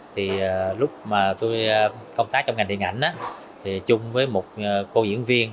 thì lúc mà tôi công tác trong ngành điện ảnh thì chung với một cô diễn viên